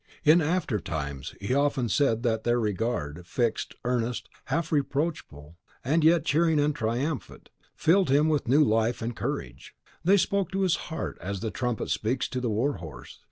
In aftertimes he often said that their regard, fixed, earnest, half reproachful, and yet cheering and triumphant, filled him with new life and courage. They spoke to his heart as the trumpet speaks to the war horse.